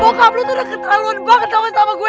bokap lo tuh udah ketahuan banget sama gue